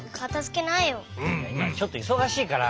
いまちょっといそがしいから。